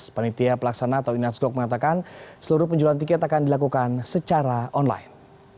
panitia pelaksana atau inasgok mengatakan seluruh penjualan tiket akan dilakukan secara online